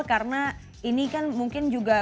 karena ini kan mungkin juga